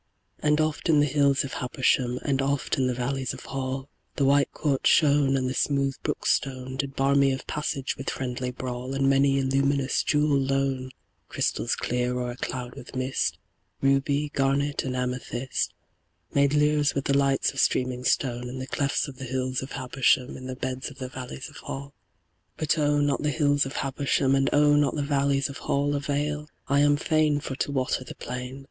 And oft in the hills of Habersham, And oft in the valleys of Hall, The white quartz shone, and the smooth brook stone Did bar me of passage with friendly brawl, And many a luminous jewel lone Crystals clear or a cloud with mist, Ruby, garnet and amethyst Made lures with the lights of streaming stone In the clefts of the hills of Habersham, In the beds of the valleys of Hall. But oh, not the hills of Habersham, And oh, not the valleys of Hall Avail: I am fain for to water the plain.